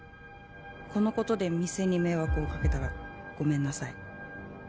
「このことで店に迷惑をかけたらごめんなさい」